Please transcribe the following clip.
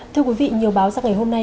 thưa quý vị nhiều báo ra ngày hôm nay